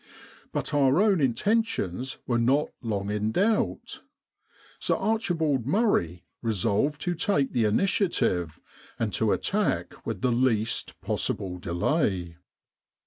But our own intentions were not long in doubt. Sir A. Murray resolved to take the initiative, and to attack with the least possible delay.